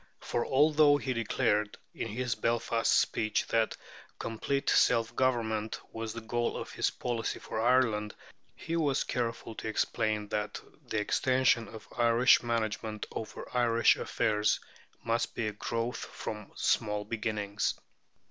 For although he declared, in his Belfast speech, that "complete self government" was the goal of his policy for Ireland, he was careful to explain that "the extension of Irish management over Irish affairs must be a growth from small beginnings."